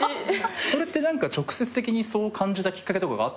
それって何か直接的にそう感じたきっかけとかがあったんですか？